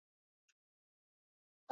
yeye hufanya vitu hivyo